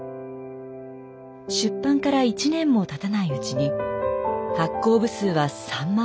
出版から１年もたたないうちに発行部数は３万部を突破。